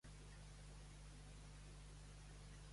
Aquest és el motiu principal de que hàgim perdut.